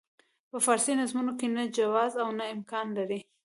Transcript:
په فارسي نظمونو کې نه جواز او نه امکان لري.